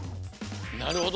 なるほど。